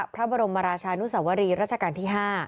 พระบรมราชานุสวรีรัชกาลที่๕